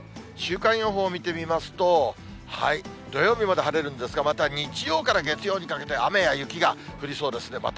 週間予報見てみますと、土曜日まで晴れるんですが、また日曜から月曜にかけて、雨や雪が降りそうですね。